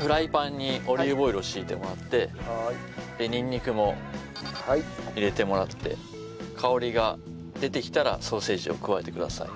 フライパンにオリーブオイルを引いてもらってでニンニクも入れてもらって香りが出てきたらソーセージを加えてください。